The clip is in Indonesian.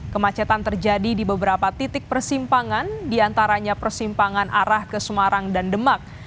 kemacetan terjadi di beberapa titik persimpangan diantaranya persimpangan arah ke semarang dan demak